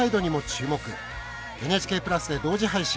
ＮＨＫプラスで同時配信